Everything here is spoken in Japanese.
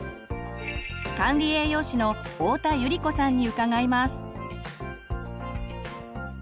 管理栄養士の太田百合子さんに伺います。